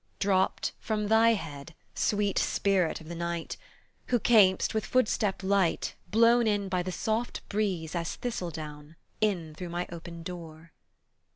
Dropped from thy head, sweet Spirit of the night, Who cam'st, with footstep light, Blown in by the soft breeze, as thistledown, In through my open door.